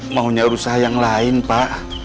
mau nyuruh saya yang lain pak